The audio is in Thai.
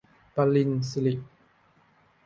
ปริญสิริ